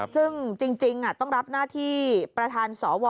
ซึ่งจริงต้องรับหน้าที่ประธานสว